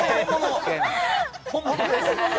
本物です。